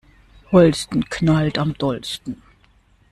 Holsten knallt am dollsten.